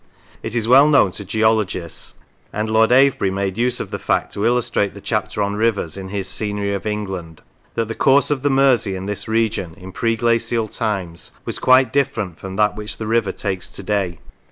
It is well known to geologists (and Lord Avebury made use of the fact to illustrate the chapter on rivers in his " Scenery of England ") that the course of the Mersey in this region in pre glacial times was quite different from that which the river takes to day.